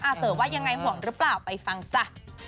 เต๋อว่ายังไงห่วงหรือเปล่าไปฟังจ้ะ